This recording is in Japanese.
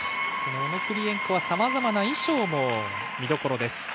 オノプリエンコはさまざまな衣装も見どころです。